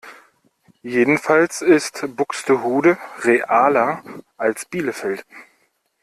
Jedenfalls ist Buxtehude realer als Bielefeld.